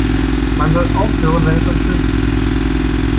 Man soll aufhören, wenn es am schönsten ist.